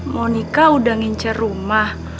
monika udah ngincet rumah